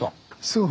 そう。